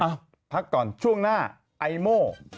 พักก่อนช่วงหน้าไอโม่